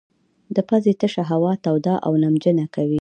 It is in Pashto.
د پزې تشه هوا توده او نمجنه کوي.